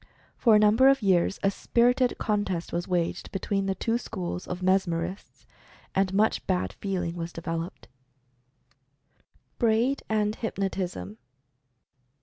For a number of years a spirited con test was waged between the two schools of "Mesmer ists," and much bad feeling was developed. 34 Mental Fascination BRAID AND "HYPNOTISM."